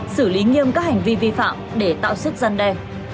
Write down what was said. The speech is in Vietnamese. xử lý nghiêm các hành vi vi phạm để tạo sức gian đe